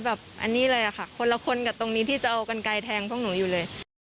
แบบนี้เลยค่ะคนละคนกับตรงนี้ที่จะเอากันไกลแทงพวกหนูอยู่เลย